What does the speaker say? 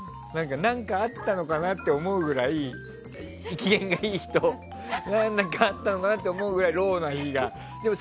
何かあったのかなって思うくらい機嫌がいい日と何かあったのかなと思うぐらいローな日があって。